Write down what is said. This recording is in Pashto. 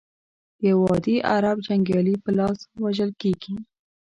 د یوه عادي عرب جنګیالي په لاس وژل کیږي.